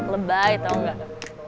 lebay tau gak